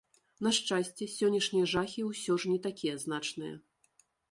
На шчасце, сённяшнія жахі ўсё ж не такія значныя.